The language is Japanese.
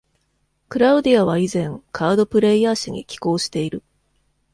クラウディアは以前、「カードプレイヤー」誌に寄稿している。